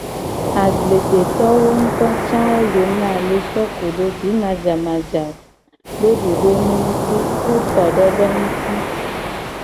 Agbledetowo ca le na ale so kudo jimajaja do dodonu nguti ku tododowo nguti.